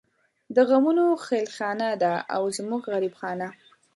د غمونو خېلخانه ده او زمونږ غريب خانه